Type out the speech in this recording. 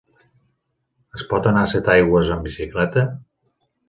Es pot anar a Setaigües amb bicicleta?